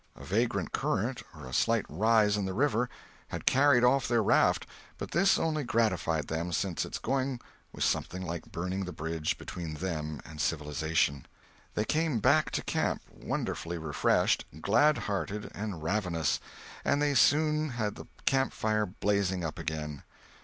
A vagrant current or a slight rise in the river had carried off their raft, but this only gratified them, since its going was something like burning the bridge between them and civilization. They came back to camp wonderfully refreshed, glad hearted, and ravenous; and they soon had the camp fire blazing up again.